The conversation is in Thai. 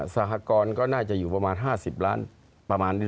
สหกรณ์ก็น่าจะอยู่ประมาณ๕๐ล้านประมาณนี้